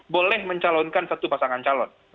boleh mencalonkan satu pasangan